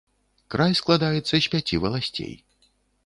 Край складаецца з пяці валасцей.